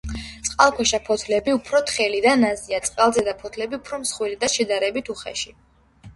წყალქვეშა ფოთლები უფრო თხელი და ნაზია, წყალზედა ფოთლები უფრო მსხვილი და შედარებით უხეში.